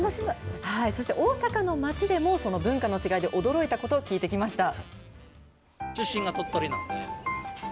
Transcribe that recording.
そして、大阪の街でもその文化の違いで驚いたことを聞いてきました。